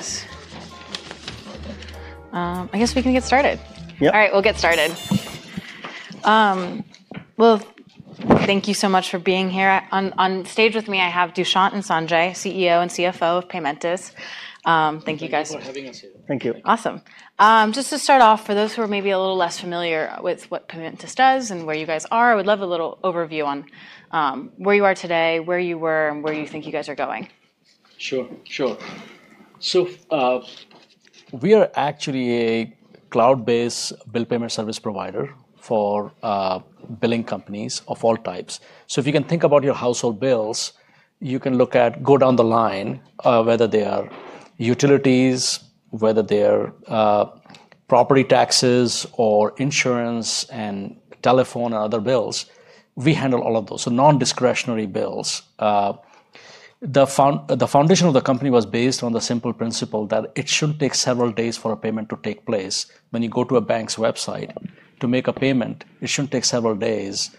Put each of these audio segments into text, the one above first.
Yes. I guess we can get started. Yep. All right, we'll get started. Well, thank you so much for being here. On stage with me, I have Dushant and Sanjay, CEO and CFO of Paymentus. Thank you, guys. Thank you for having us here. Thank you. Awesome. Just to start off, for those who are maybe a little less familiar with what Paymentus does and where you guys are, I would love a little overview on, where you are today, where you were, and where you think you guys are going? Sure. We are actually a cloud-based bill payment service provider for billing companies of all types. If you can think about your household bills, you can go down the line, whether they are utilities, whether they are property taxes or insurance and telephone or other bills, we handle all of those. Non-discretionary bills. The foundation of the company was based on the simple principle that it shouldn't take several days for a payment to take place. When you go to a bank's website to make a payment, it shouldn't take several days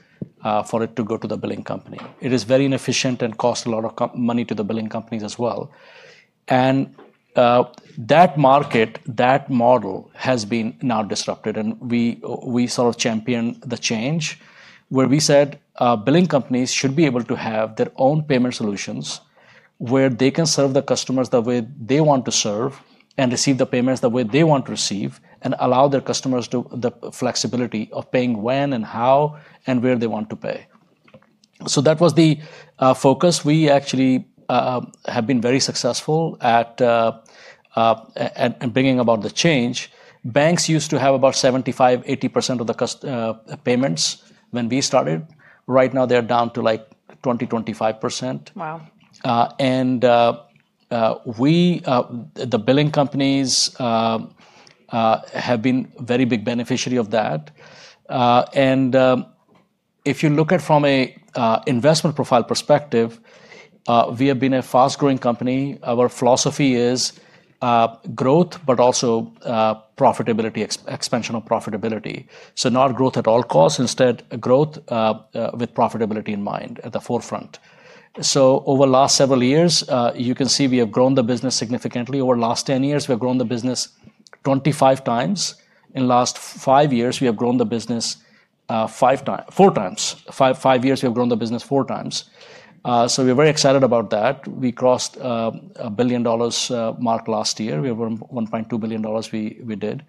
for it to go to the billing company. It is very inefficient and costs a lot of money to the billing companies as well. That market, that model has been now disrupted, and we sort of champion the change, where we said, billing companies should be able to have their own payment solutions where they can serve the customers the way they want to serve and receive the payments the way they want to receive and allow their customers the flexibility of paying when and how and where they want to pay. That was the focus. We actually have been very successful at bringing about the change. Banks used to have about 75-80% of the payments when we started. Right now they're down to like 20-25%. Wow. The billing companies have been a very big beneficiary of that. If you look at from an investment profile perspective, we have been a fast-growing company. Our philosophy is growth, but also profitability, expansion of profitability. Not growth at all costs, instead growth with profitability in mind at the forefront. Over last several years, you can see we have grown the business significantly. Over the last 10 years, we've grown the business 25 times. In last five years, we have grown the business four times. Five years, we have grown the business 4 times. We're very excited about that. We crossed a $1 billion mark last year. We did $1.2 billion.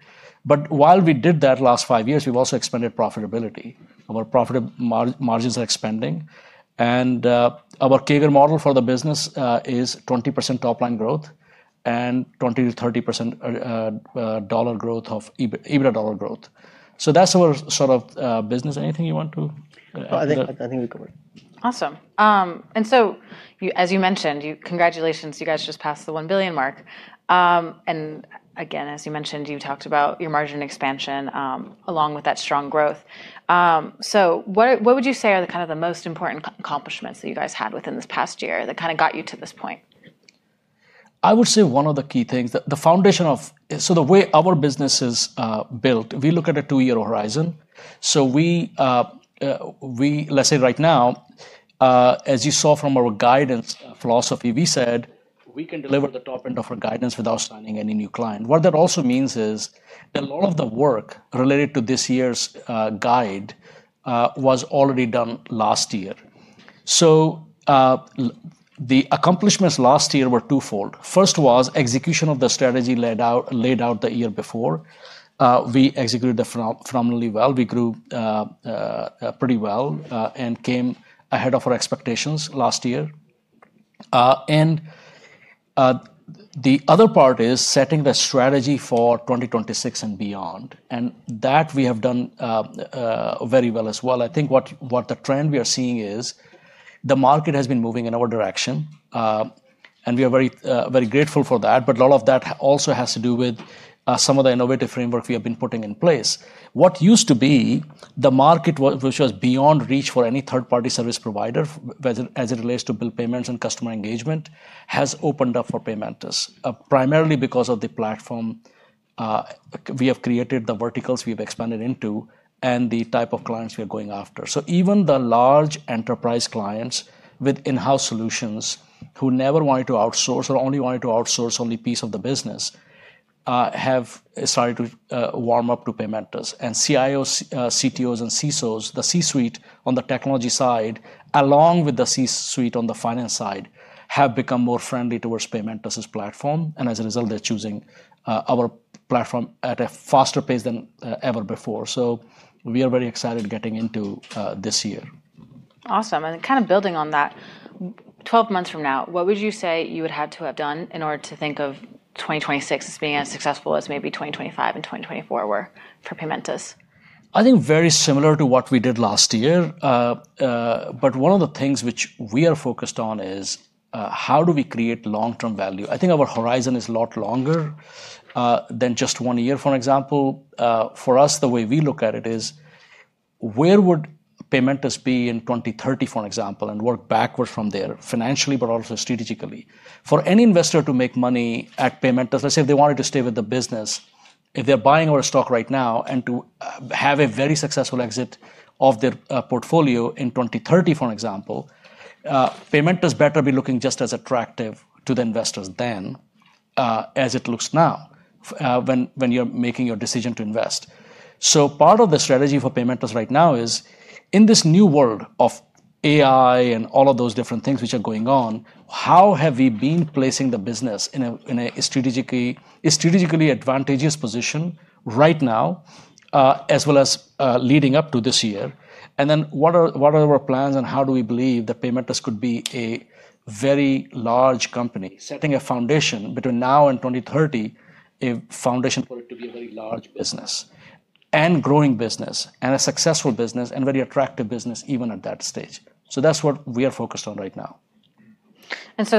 While we did that last five years, we've also expanded profitability. Our profit margins are expanding, and our CAGR model for the business is 20% top-line growth and 20%-30% EBITDA dollar growth. So that's our sort of business. Anything you want to add? I think we covered. Awesome. As you mentioned, congratulations, you guys just passed the $1 billion mark. As you mentioned, you talked about your margin expansion along with that strong growth. What would you say are the kind of the most important accomplishments that you guys had within this past year that kinda got you to this point? I would say one of the key things, the foundation of the way our business is built, we look at a two-year horizon. Let's say right now, as you saw from our guidance philosophy, we said we can deliver the top end of our guidance without signing any new client. What that also means is that a lot of the work related to this year's guidance was already done last year. The accomplishments last year were twofold. First was execution of the strategy laid out the year before. We executed that phenomenally well. We grew pretty well and came ahead of our expectations last year. The other part is setting the strategy for 2026 and beyond. That we have done very well as well. I think the trend we are seeing is the market has been moving in our direction, and we are very, very grateful for that. A lot of that also has to do with some of the innovative framework we have been putting in place. What used to be the market which was beyond reach for any third-party service provider as it relates to bill payments and customer engagement has opened up for Paymentus, primarily because of the platform we have created, the verticals we've expanded into, and the type of clients we are going after. Even the large enterprise clients with in-house solutions who never wanted to outsource or only wanted to outsource only piece of the business have started to warm up to Paymentus. CIOs, CTOs, and CSOs, the C-suite on the technology side, along with the C-suite on the finance side, have become more friendly towards Paymentus's platform, and as a result, they're choosing our platform at a faster pace than ever before. We are very excited getting into this year. Awesome. Kind of building on that, 12 months from now, what would you say you would had to have done in order to think of 2026 as being as successful as maybe 2025 and 2024 were for Paymentus? I think very similar to what we did last year. One of the things which we are focused on is, how do we create long-term value? I think our horizon is a lot longer than just one year, for an example. For us, the way we look at it is where would Paymentus be in 2030, for an example, and work backward from there, financially, but also strategically. For any investor to make money at Paymentus, let's say if they wanted to stay with the business. If they're buying our stock right now to have a very successful exit of their portfolio in 2030, for example, Paymentus better be looking just as attractive to the investors then as it looks now when you're making your decision to invest. Part of the strategy for Paymentus right now is in this new world of AI and all of those different things which are going on, how have we been placing the business in a strategically advantageous position right now, as well as leading up to this year? What are our plans, and how do we believe that Paymentus could be a very large company, setting a foundation between now and 2030, a foundation for it to be a very large business and growing business and a successful business and very attractive business even at that stage? That's what we are focused on right now.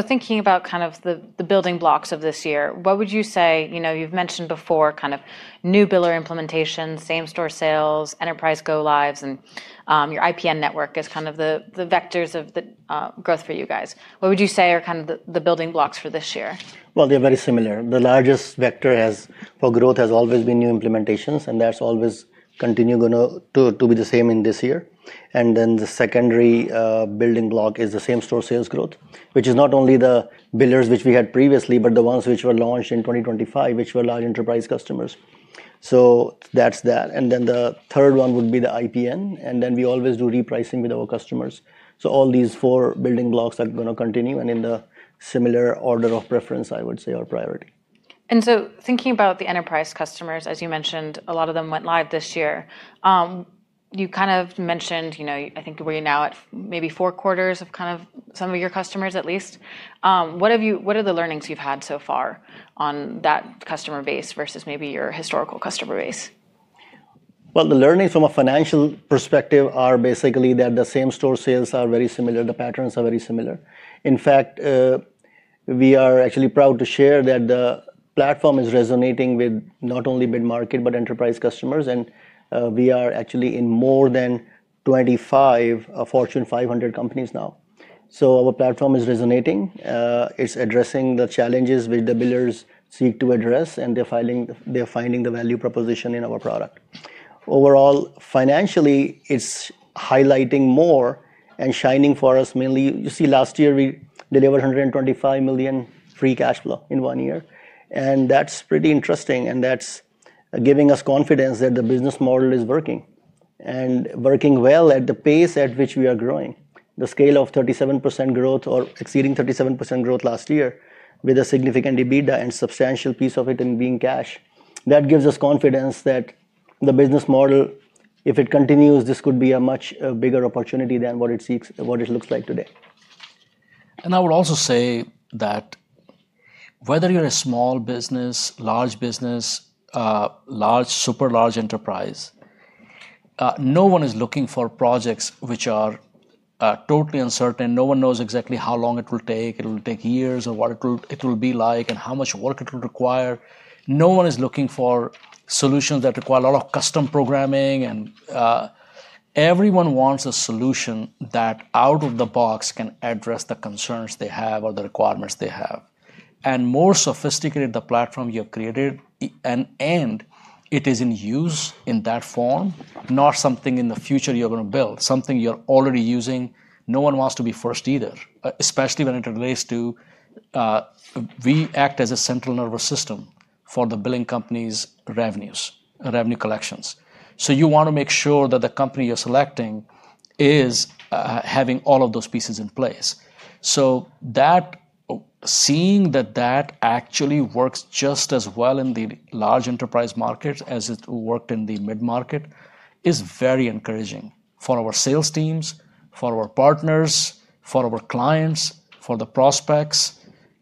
Thinking about kind of the building blocks of this year, what would you say? You know, you've mentioned before kind of new biller implementation, same-store sales, enterprise go-lives, and your IPN network as kind of the vectors of the growth for you guys. What would you say are kind of the building blocks for this year? Well, they're very similar. The largest vector for growth has always been new implementations, and that's always going to continue to be the same in this year. The secondary building block is the same-store sales growth, which is not only the billers which we had previously, but the ones which were launched in 2025, which were large enterprise customers. That's that. The third one would be the IPN, and then we always do repricing with our customers. All these four building blocks are gonna continue and in the similar order of preference, I would say are priority. Thinking about the enterprise customers, as you mentioned, a lot of them went live this year. You kind of mentioned, you know, I think we're now at maybe 4 quarters of kind of some of your customers at least. What are the learnings you've had so far on that customer base versus maybe your historical customer base? Well, the learnings from a financial perspective are basically that the same-store sales are very similar. The patterns are very similar. In fact, we are actually proud to share that the platform is resonating with not only mid-market but enterprise customers, and we are actually in more than 25 Fortune 500 companies now. Our platform is resonating. It's addressing the challenges which the billers seek to address, and they're finding the value proposition in our product. Overall, financially, it's highlighting more and shining for us mainly. You see last year we delivered $125 million free cash flow in one year, and that's pretty interesting, and that's giving us confidence that the business model is working and working well at the pace at which we are growing. The scale of 37% growth or exceeding 37% growth last year with a significant EBITDA and substantial piece of it in being cash. That gives us confidence that the business model, if it continues, this could be a much bigger opportunity than what it looks like today. I would also say that whether you're a small business, large business, large, super large enterprise, no one is looking for projects which are totally uncertain. No one knows exactly how long it will take. It'll take years, or what it will be like and how much work it will require. No one is looking for solutions that require a lot of custom programming and everyone wants a solution that out of the box can address the concerns they have or the requirements they have. More sophisticated the platform you have created and it is in use in that form, not something in the future you're gonna build. Something you're already using. No one wants to be first either, especially when it relates to we act as a central nervous system for the billing company's revenues, revenue collections. You wanna make sure that the company you're selecting is having all of those pieces in place. That, seeing that actually works just as well in the large enterprise market as it worked in the mid-market is very encouraging for our sales teams, for our partners, for our clients, for the prospects,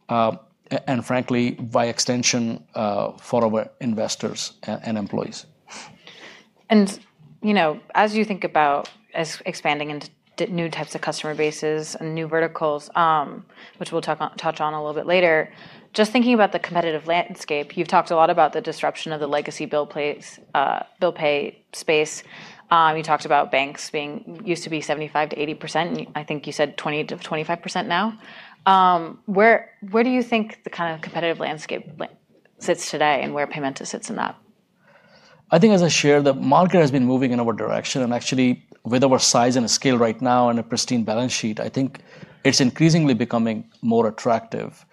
and frankly, by extension, for our investors and employees. You know, as you think about expanding into new types of customer bases and new verticals, which we'll touch on a little bit later, just thinking about the competitive landscape, you've talked a lot about the disruption of the legacy bill pay space. Where do you think the kind of competitive landscape sits today and where Paymentus sits in that? I think as I shared, the market has been moving in our direction, and actually with our size and scale right now and a pristine balance sheet, I think it's increasingly becoming more attractive.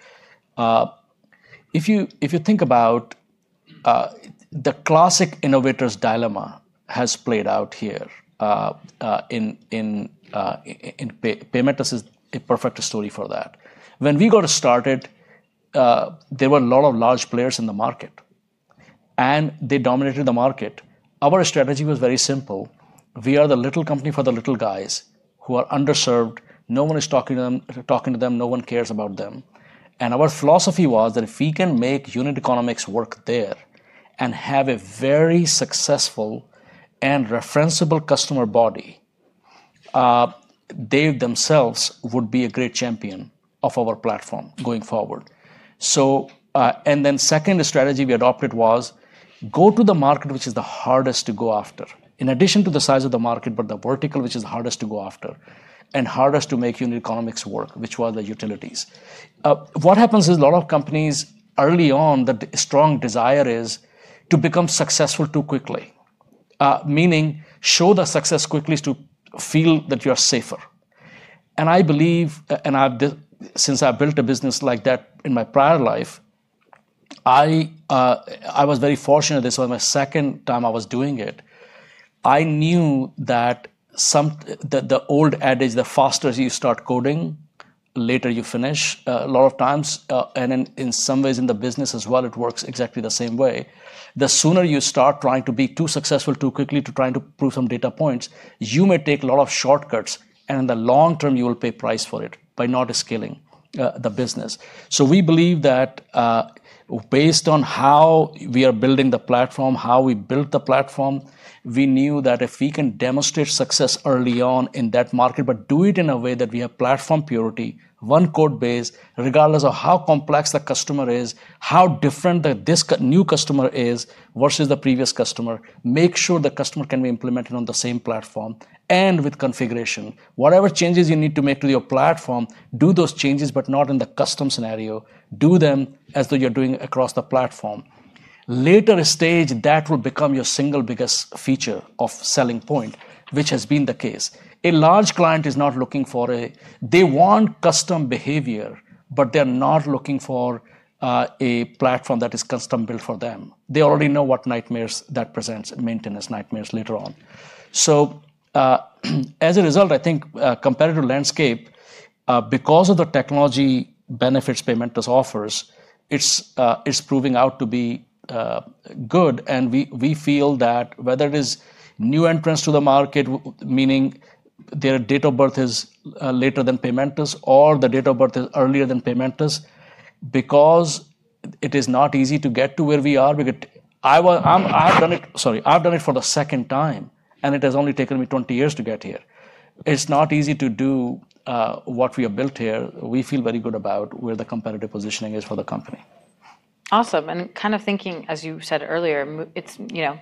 If you think about the classic innovator's dilemma has played out here, in Paymentus is a perfect story for that. When we got started, there were a lot of large players in the market, and they dominated the market. Our strategy was very simple. We are the little company for the little guys who are underserved. No one is talking to them. No one cares about them. Our philosophy was that if we can make unit economics work there and have a very successful and referenceable customer body, they themselves would be a great champion of our platform going forward. Second strategy we adopted was go to the market which is the hardest to go after. In addition to the size of the market, but the vertical which is hardest to go after and hardest to make unit economics work, which were the utilities. What happens is a lot of companies early on, the strong desire is to become successful too quickly, meaning show the success quickly is to feel that you're safer. I believe, and I've since I built a business like that in my prior life, I was very fortunate. This was my second time I was doing it. I knew that the old adage, the faster you start coding, later you finish, a lot of times, and in some ways in the business as well, it works exactly the same way. The sooner you start trying to be too successful too quickly to trying to prove some data points, you may take a lot of shortcuts, and in the long term, you will pay price for it by not scaling, the business. We believe that, based on how we are building the platform, how we built the platform, we knew that if we can demonstrate success early on in that market, but do it in a way that we have platform purity, one code base, regardless of how complex the customer is, how different the new customer is versus the previous customer, make sure the customer can be implemented on the same platform and with configuration. Whatever changes you need to make to your platform, do those changes, but not in the custom scenario. Do them as though you're doing across the platform. Later stage, that will become your single biggest feature of selling point, which has been the case. A large client is not looking for a. They want custom behavior, but they're not looking for a platform that is custom-built for them. They already know what nightmares that presents and maintenance nightmares later on. As a result, I think competitive landscape, because of the technology benefits Paymentus offers, it's proving out to be good, and we feel that whether it is new entrants to the market, meaning their date of birth is later than Paymentus or their date of birth is earlier than Paymentus, because it is not easy to get to where we are. I've done it. Sorry. I've done it for the second time, and it has only taken me 20 years to get here. It's not easy to do what we have built here. We feel very good about where the competitive positioning is for the company. Awesome. Kind of thinking, as you said earlier, it's, you know,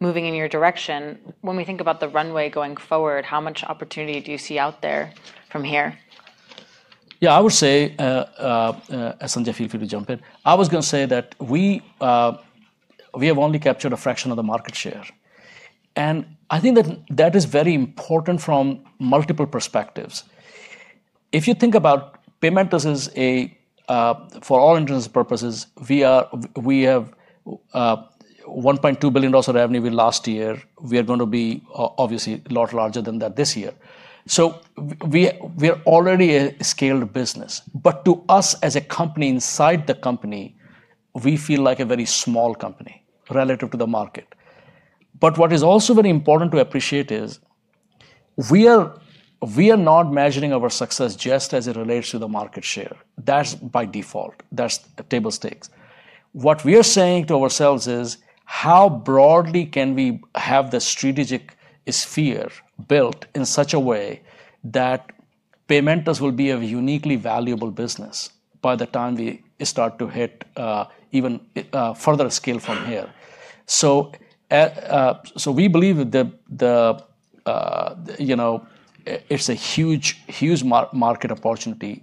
moving in your direction. When we think about the runway going forward, how much opportunity do you see out there from here? Yeah, I would say, Sanjay, if you could jump in. I was gonna say that we have only captured a fraction of the market share, and I think that is very important from multiple perspectives. If you think about Paymentus as a for all intents and purposes, we have $1.2 billion of revenue in last year. We are gonna be obviously a lot larger than that this year. We are already a scaled business. To us as a company inside the company, we feel like a very small company relative to the market. What is also very important to appreciate is we are not measuring our success just as it relates to the market share. That's by default. That's table stakes. What we are saying to ourselves is, how broadly can we have the strategic sphere built in such a way that Paymentus will be a uniquely valuable business by the time we start to hit even further scale from here? We believe that the you know it's a huge market opportunity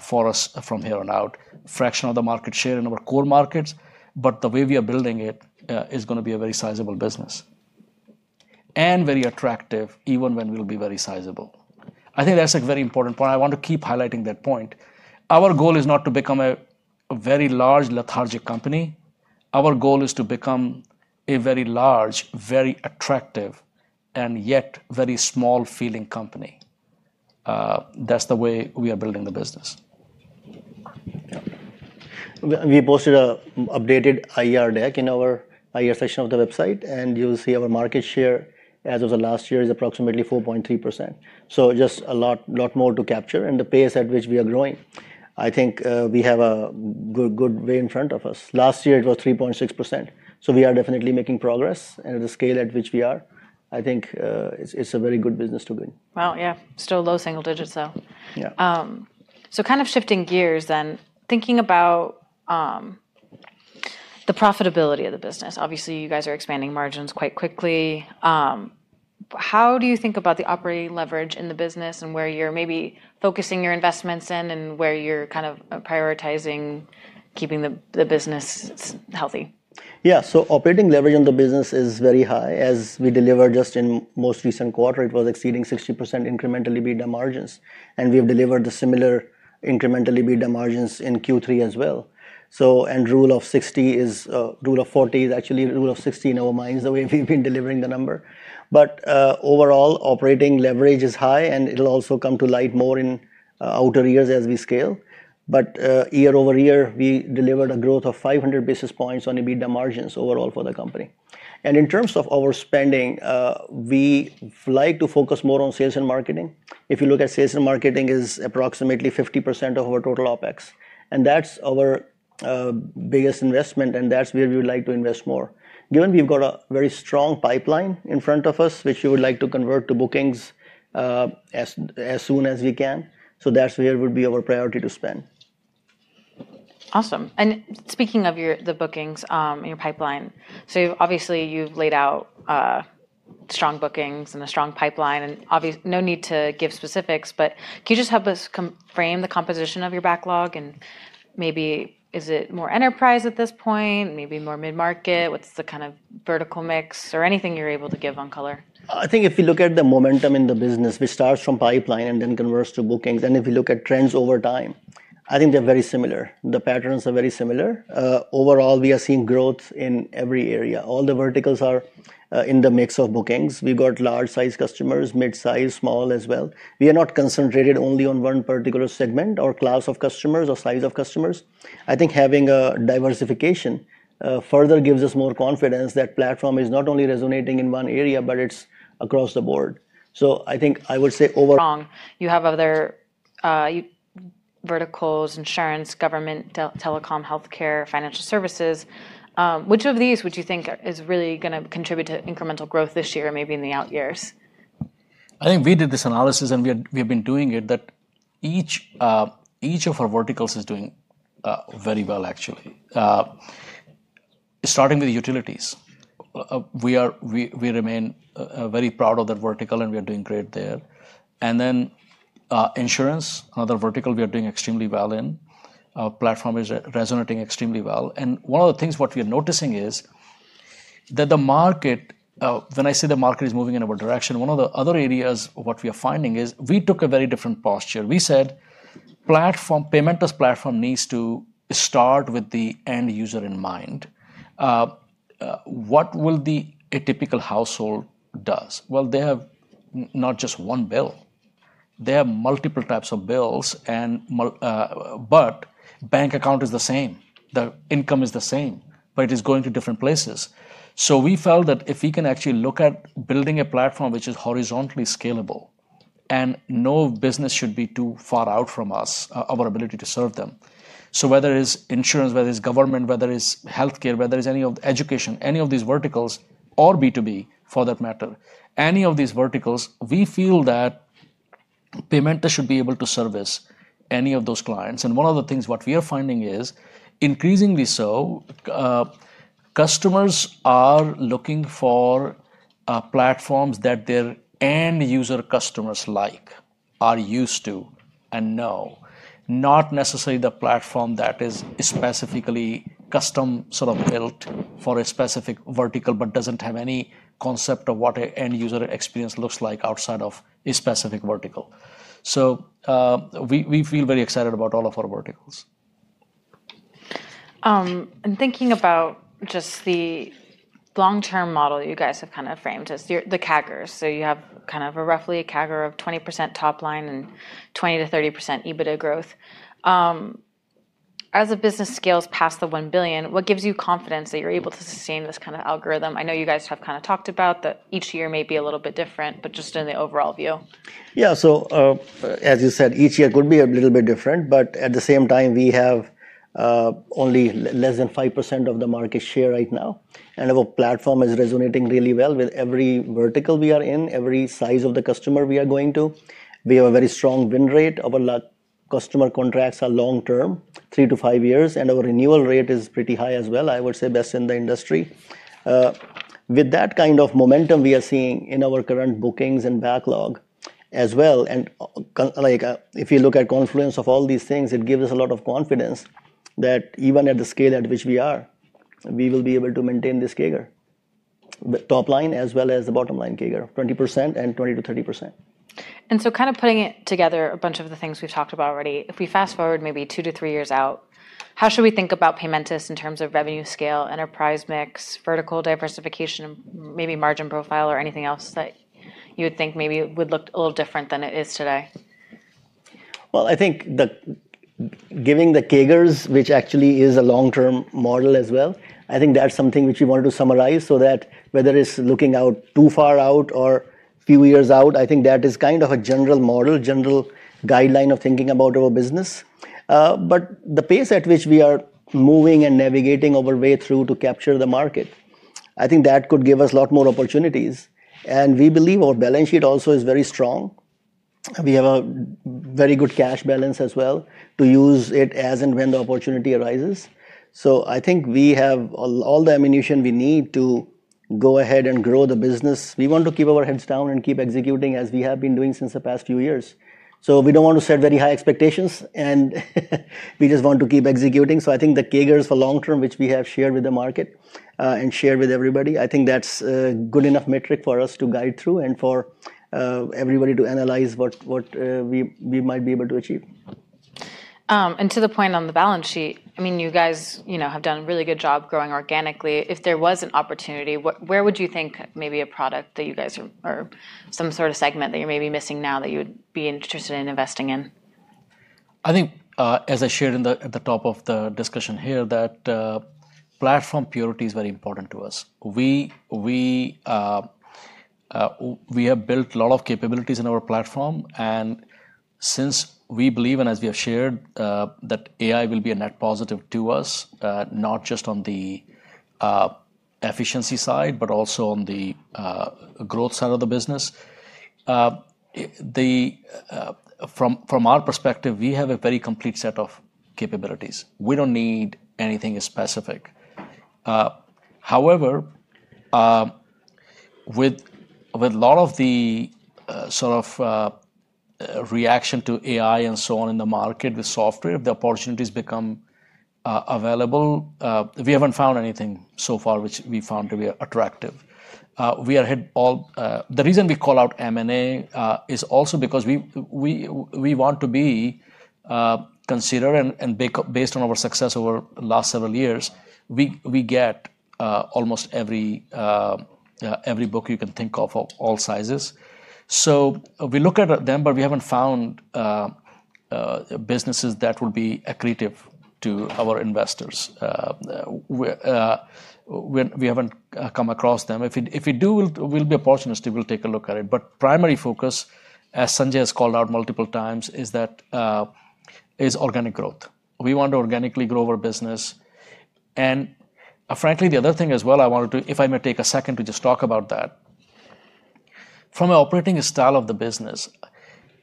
for us from here on out. Fraction of the market share in our core markets, but the way we are building it is gonna be a very sizable business and very attractive even when we'll be very sizable. I think that's a very important point. I want to keep highlighting that point. Our goal is not to become a very large, lethargic company. Our goal is to become a very large, very attractive, and yet very small feeling company. That's the way we are building the business. We posted an updated IR deck in our IR section of the website, and you'll see our market share as of the last year is approximately 4.3%. Just a lot more to capture, and the pace at which we are growing, I think, we have a good way in front of us. Last year it was 3.6%, so we are definitely making progress, and the scale at which we are, I think, it's a very good business to be in. Wow. Yeah. Still low single digits, though. Yeah. Kind of shifting gears then, thinking about the profitability of the business. Obviously, you guys are expanding margins quite quickly. How do you think about the operating leverage in the business and where you're maybe focusing your investments in and where you're kind of prioritizing keeping the business healthy? Yeah. Operating leverage in the business is very high. As we delivered just in most recent quarter, it was exceeding 60% incremental EBITDA margins, and we have delivered the similar incremental EBITDA margins in Q3 as well. Rule of 60 is, Rule of 40 is actually rule of 60 in our minds the way we've been delivering the number. Overall, operating leverage is high, and it'll also come to light more in outer years as we scale. Year-over-year, we delivered a growth of 500 basis points on EBITDA margins overall for the company. In terms of our spending, we like to focus more on sales and marketing. If you look at sales and marketing is approximately 50% of our total OpEx, and that's our biggest investment, and that's where we would like to invest more. Given we've got a very strong pipeline in front of us, which we would like to convert to bookings, as soon as we can, so that's where would be our priority to spend. Awesome. Speaking of the bookings and your pipeline, obviously you've laid out strong bookings and a strong pipeline. No need to give specifics, but can you just help us frame the composition of your backlog and maybe is it more enterprise at this point, maybe more mid-market? What's the kind of vertical mix or anything you're able to give on color? I think if you look at the momentum in the business which starts from pipeline and then converts to bookings, and if you look at trends over time, I think they're very similar. The patterns are very similar. Overall we are seeing growth in every area. All the verticals are in the mix of bookings. We've got large size customers, mid-size, small as well. We are not concentrated only on one particular segment or class of customers or size of customers. I think having a diversification further gives us more confidence that platform is not only resonating in one area, but it's across the board. I think I would say over- Strong. You have other verticals, insurance, government, telecom, healthcare, financial services. Which of these would you think is really gonna contribute to incremental growth this year or maybe in the out years? I think we did this analysis, and we have been doing it, that each of our verticals is doing very well actually. Starting with utilities. We remain very proud of that vertical, and we are doing great there. Insurance, another vertical we are doing extremely well in. Our platform is resonating extremely well. One of the things what we are noticing is that the market is moving in our direction, one of the other areas what we are finding is we took a very different posture. We said Paymentus platform needs to start with the end user in mind. What will a typical household does? Well, they have not just one bill. They have multiple types of bills and but bank account is the same. The income is the same, but it is going to different places. We felt that if we can actually look at building a platform which is horizontally scalable, and no business should be too far out from us, our ability to serve them. Whether it's insurance, whether it's government, whether it's healthcare, whether it's any of education, any of these verticals or B2B for that matter, any of these verticals, we feel that Paymentus should be able to service any of those clients. One of the things what we are finding is increasingly so, customers are looking for platforms that their end user customers like, are used to and know. Not necessarily the platform that is specifically custom sort of built for a specific vertical, but doesn't have any concept of what an end user experience looks like outside of a specific vertical. We feel very excited about all of our verticals. Thinking about just the long-term model you guys have kind of framed as your the CAGRs. You have kind of roughly a CAGR of 20% top line and 20%-30% EBITDA growth. As the business scales past the $1 billion, what gives you confidence that you're able to sustain this kind of algorithm? I know you guys have kind of talked about that each year may be a little bit different, but just in the overall view. As you said, each year could be a little bit different, but at the same time we have only less than 5% of the market share right now, and our platform is resonating really well with every vertical we are in, every size of the customer we are going to. We have a very strong win rate. Our customer contracts are long-term, 3 to 5 years, and our renewal rate is pretty high as well. I would say best in the industry. With that kind of momentum we are seeing in our current bookings and backlog as well, and like, if you look at confluence of all these things, it gives us a lot of confidence that even at the scale at which we are, we will be able to maintain this CAGR, the top line as well as the bottom line CAGR of 20% and 20%-30%. Kind of putting it together a bunch of the things we've talked about already. If we fast-forward maybe 2-3 years out, how should we think about Paymentus in terms of revenue scale, enterprise mix, vertical diversification, maybe margin profile or anything else that you would think maybe would look a little different than it is today? Well, I think giving the CAGRs, which actually is a long-term model as well, I think that's something which we wanted to summarize so that whether it's looking out too far out or few years out, I think that is kind of a general model, general guideline of thinking about our business. The pace at which we are moving and navigating our way through to capture the market, I think that could give us a lot more opportunities. We believe our balance sheet also is very strong. We have a very good cash balance as well to use it as and when the opportunity arises. I think we have all the ammunition we need to go ahead and grow the business. We want to keep our heads down and keep executing as we have been doing since the past few years. We don't want to set very high expectations, and we just want to keep executing. I think the CAGRs for long term, which we have shared with the market, and shared with everybody, I think that's a good enough metric for us to guide through and for everybody to analyze what we might be able to achieve. To the point on the balance sheet, I mean, you guys, you know, have done a really good job growing organically. If there was an opportunity, where would you think maybe a product that you guys or some sort of segment that you're maybe missing now that you would be interested in investing in? I think, as I shared at the top of the discussion here, that platform purity is very important to us. We have built a lot of capabilities in our platform, and since we believe, and as we have shared, that AI will be a net positive to us, not just on the efficiency side, but also on the growth side of the business. From our perspective, we have a very complete set of capabilities. We don't need anything specific. However, with a lot of the sort of reaction to AI and so on in the market with software, the opportunities become available. We haven't found anything so far which we found to be attractive. The reason we call out M&A is also because we want to be considered and based on our success over the last several years, we get almost every book you can think of of all sizes. We look at them, but we haven't found businesses that will be accretive to our investors. We haven't come across them. If we do, we'll be opportunistic. We'll take a look at it. Primary focus, as Sanjay has called out multiple times, is organic growth. We want to organically grow our business. Frankly, the other thing as well I wanted to, if I may take a second to just talk about that. From an operating style of the business,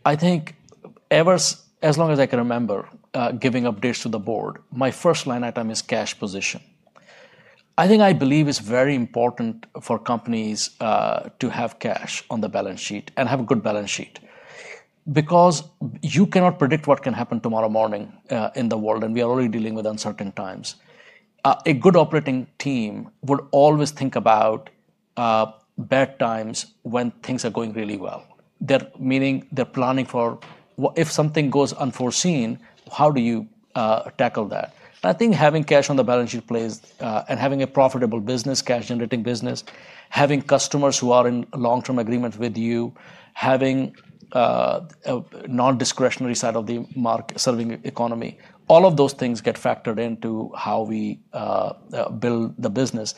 I think ever since, as long as I can remember, giving updates to the board, my first line item is cash position. I think, I believe it's very important for companies to have cash on the balance sheet and have a good balance sheet because you cannot predict what can happen tomorrow morning in the world, and we are already dealing with uncertain times. A good operating team will always think about bad times when things are going really well. They're planning for what if something goes unforeseen, how do you tackle that? I think having cash on the balance sheet plays, and having a profitable business, cash generating business, having customers who are in long-term agreement with you, having a non-discretionary side of the market-serving economy, all of those things get factored into how we build the business.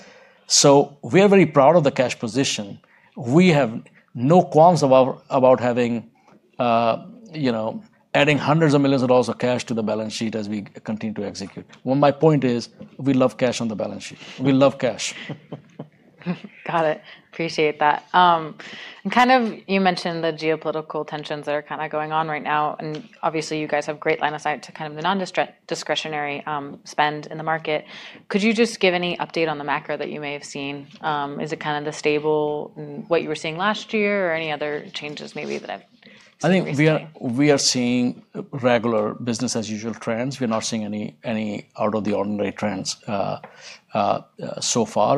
We are very proud of the cash position. We have no qualms about having, you know, adding $hundreds of millions of cash to the balance sheet as we continue to execute. Well, my point is, we love cash on the balance sheet. We love cash. Got it. Appreciate that. You mentioned the geopolitical tensions that are kind of going on right now, and obviously you guys have great line of sight to kind of the non-discretionary spend in the market. Could you just give any update on the macro that you may have seen? Is it kind of stable, what you were seeing last year or any other changes maybe that have recently. I think we are seeing regular business as usual trends. We're not seeing any out of the ordinary trends so far.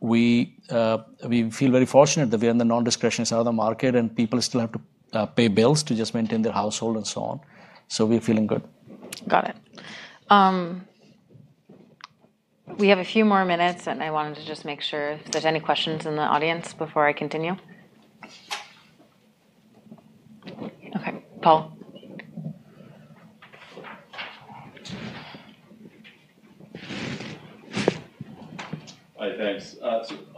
We feel very fortunate that we are in the non-discretionary side of the market and people still have to pay bills to just maintain their household and so on. We're feeling good. Got it. We have a few more minutes, and I wanted to just make sure if there's any questions in the audience before I continue. Okay, Paul.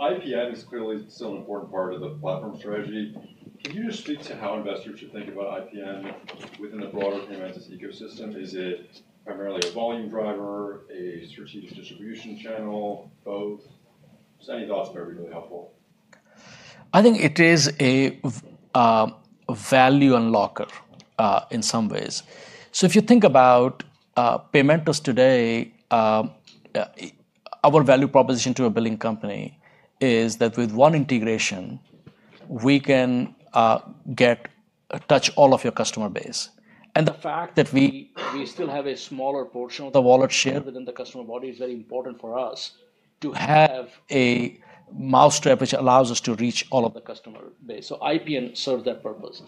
IPN is clearly still an important part of the platform strategy. Can you just speak to how investors should think about IPN within the broader Paymentus ecosystem? Is it primarily a volume driver, a strategic distribution channel, both? Just any thoughts would be really helpful. I think it is a value unlocker in some ways. If you think about Paymentus today, our value proposition to a billing company is that with one integration, we can touch all of your customer base. The fact that we still have a smaller portion of the wallet share within the customer base is very important for us to have a mousetrap which allows us to reach all of the customer base. IPN serves that purpose.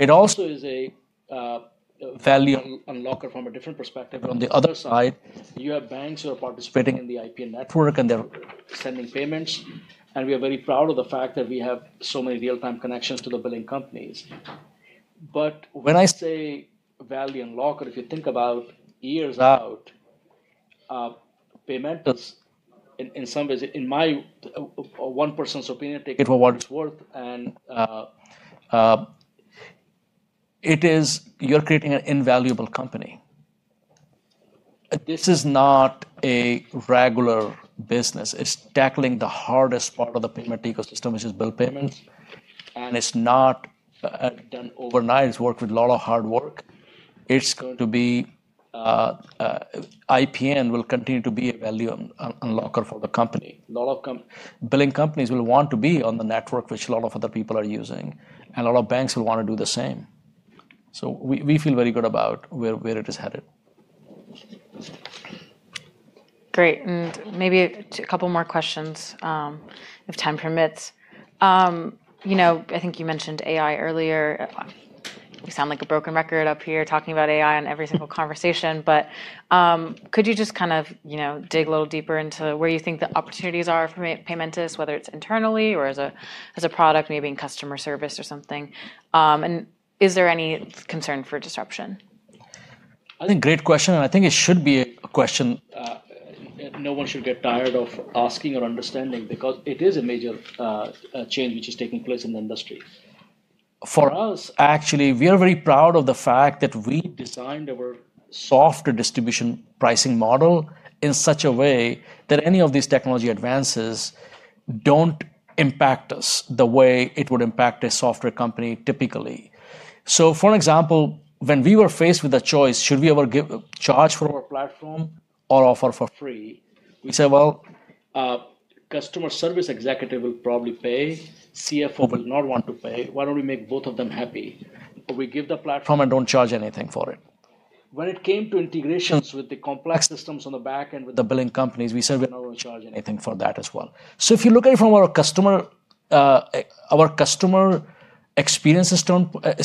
It also is a value unlocker from a different perspective. On the other side, you have banks who are participating in the IPN network, and they're sending payments, and we are very proud of the fact that we have so many real-time connections to the billing companies. When I say value unlocker, if you think about years out, Paymentus in some ways, in my one person's opinion, take it for what it's worth, it is you're creating an invaluable company. This is not a regular business. It's tackling the hardest part of the payment ecosystem, which is bill payments, and it's not done overnight. It's worked with a lot of hard work. It's going to be, IPN will continue to be a value unlocker for the company. A lot of companies. Billing companies will want to be on the network which a lot of other people are using, and a lot of banks will want to do the same. We feel very good about where it is headed. Great. Maybe a couple more questions, if time permits. You know, I think you mentioned AI earlier. We sound like a broken record up here talking about AI in every single conversation. Could you just kind of, you know, dig a little deeper into where you think the opportunities are for Paymentus, whether it's internally or as a product, maybe in customer service or something? Is there any concern for disruption? I think great question, and I think it should be a question no one should get tired of asking or understanding because it is a major change which is taking place in the industry. For us, actually, we are very proud of the fact that we designed our software distribution pricing model in such a way that any of these technology advances don't impact us the way it would impact a software company typically. For example, when we were faced with a choice, should we charge for our platform or offer for free, we said, "Well, customer service executive will probably pay, CFO will not want to pay. Why don't we make both of them happy? We give the platform and don't charge anything for it." When it came to integrations with the complex systems on the back end with the billing companies, we said we're not gonna charge anything for that as well. If you look at it from our customer experience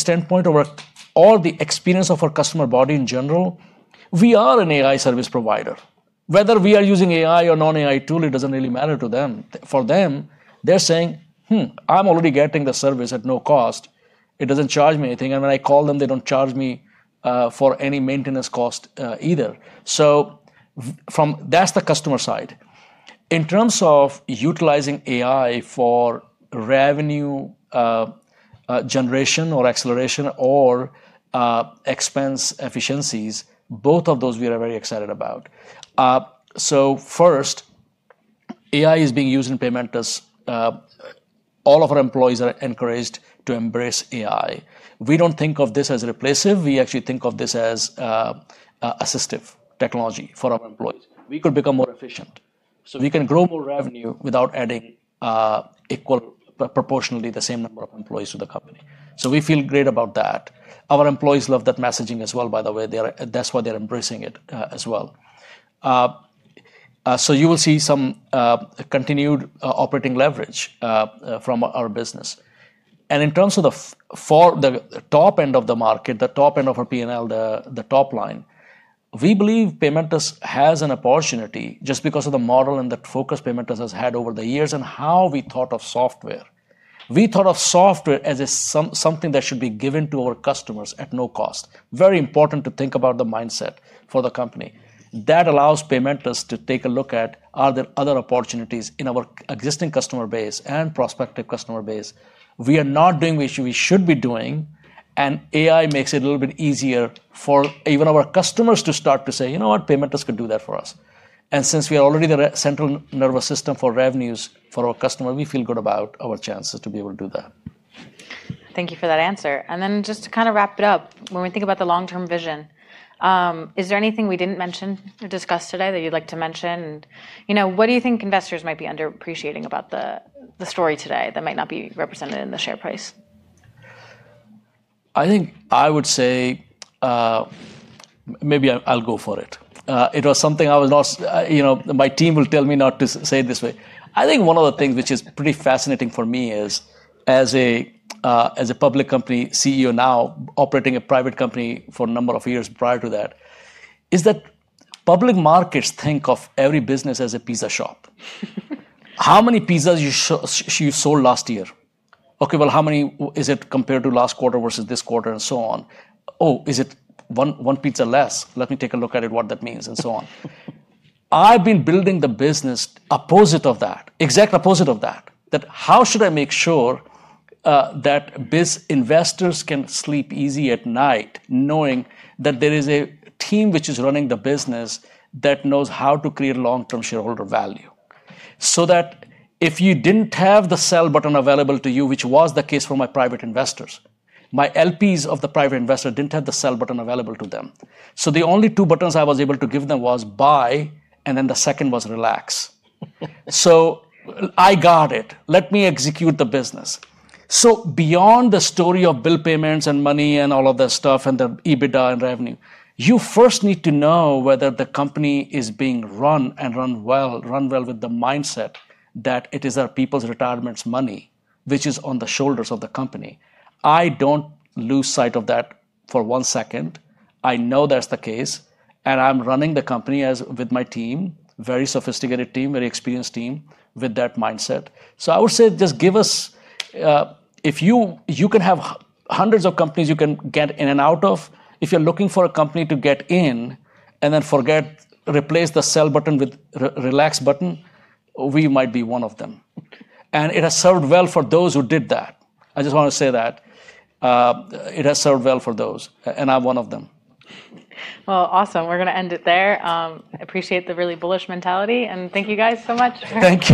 standpoint or all the experience of our customer body in general, we are an AI service provider. Whether we are using AI or non-AI tool, it doesn't really matter to them. For them, they're saying, "Hmm, I'm already getting the service at no cost. It doesn't charge me anything. When I call them, they don't charge me for any maintenance cost either." That's the customer side. In terms of utilizing AI for revenue generation or acceleration or expense efficiencies, both of those we are very excited about. First, AI is being used in Paymentus. All of our employees are encouraged to embrace AI. We don't think of this as a replacer, we actually think of this as assistive technology for our employees. We could become more efficient, so we can grow more revenue without adding proportionally the same number of employees to the company. We feel great about that. Our employees love that messaging as well, by the way. That's why they're embracing it, as well. You will see some continued operating leverage from our business. In terms of for the top end of the market, the top end of our P&L, the top line, we believe Paymentus has an opportunity just because of the model and the focus Paymentus has had over the years and how we thought of software. We thought of software as something that should be given to our customers at no cost. Very important to think about the mindset for the company. That allows Paymentus to take a look at are there other opportunities in our existing customer base and prospective customer base we are not doing, which we should be doing, and AI makes it a little bit easier for even our customers to start to say, "You know what? Paymentus could do that for us." Since we are already the central nervous system for revenues for our customer, we feel good about our chances to be able to do that. Thank you for that answer. Just to kinda wrap it up, when we think about the long-term vision, is there anything we didn't mention or discuss today that you'd like to mention? You know, what do you think investors might be underappreciating about the story today that might not be represented in the share price? I think I would say, maybe I'll go for it. It was something I was not. You know, my team will tell me not to say it this way. I think one of the things which is pretty fascinating for me is, as a public company CEO now, operating a private company for a number of years prior to that, is that public markets think of every business as a pizza shop. How many pizzas you sold last year? Okay, well, how many is it compared to last quarter versus this quarter and so on. Oh, is it one pizza less? Let me take a look at it, what that means, and so on. I've been building the business opposite of that, exact opposite of that. that business investors can sleep easy at night knowing that there is a team which is running the business that knows how to create long-term shareholder value. That if you didn't have the sell button available to you, which was the case for my private investors, my LPs, the private investors didn't have the sell button available to them. The only two buttons I was able to give them was buy, and then the second was relax. I got it. Let me execute the business. Beyond the story of bill payments and money and all of that stuff and the EBITDA and revenue, you first need to know whether the company is being run and run well with the mindset that it is our people's retirement's money which is on the shoulders of the company. I don't lose sight of that for one second. I know that's the case, and I'm running the company with my team, very sophisticated team, very experienced team, with that mindset. I would say just give us, if you can have hundreds of companies you can get in and out of. If you're looking for a company to get in and then forget, replace the sell button with relax button, we might be one of them. It has served well for those who did that. I just wanna say that. It has served well for those, and I'm one of them. Well, awesome. We're gonna end it there. Appreciate the really bullish mentality, and thank you guys so much.